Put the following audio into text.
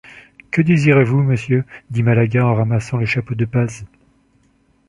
Que désirez-vous, monsieur? dit Malaga en ramassant le chapeau de Paz...